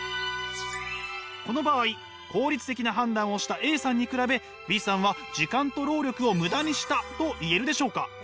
この場合効率的な判断をしたＡさんに比べＢさんは時間と労力をムダにしたと言えるでしょうか？